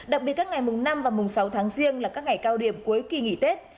đặc biệt các ngày mùng năm và mùng sáu tháng riêng là các ngày cao điểm cuối kỳ nghỉ tết